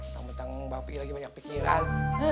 takut takut mbak piggy lagi banyak pikiran